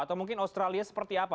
atau mungkin australia seperti apa